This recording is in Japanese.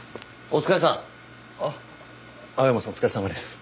お疲れさまです。